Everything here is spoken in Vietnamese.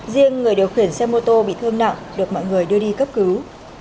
riêng người điều khiển xe mô tô bị thương nặng được mọi người đưa đi cấp cứu